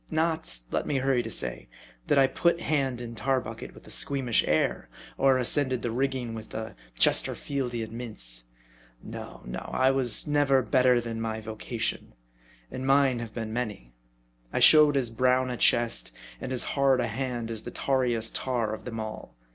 Not, let me hurry to say, that I put hand in tar bucket with a squeamish air, or ascended the rigging with a Chesterfieldian mince. No, no, I was never better than my vocation ; and mine have been many. I showed as brown a chest, and as hard a hand, as the tarriest tar of them all.